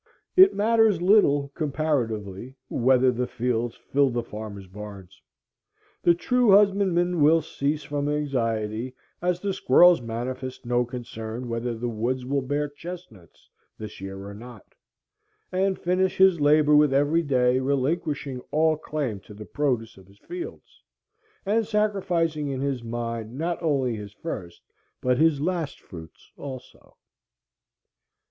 It matters little comparatively whether the fields fill the farmer's barns. The true husbandman will cease from anxiety, as the squirrels manifest no concern whether the woods will bear chestnuts this year or not, and finish his labor with every day, relinquishing all claim to the produce of his fields, and sacrificing in his mind not only his first but his last fruits also.